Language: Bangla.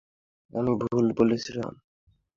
আমি ভুল বলেছিলাম।